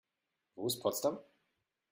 Wo ist Potsdam?